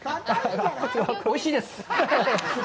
おいしいです。